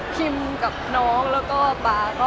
คิมกับน้องแล้วก็บาร์ก็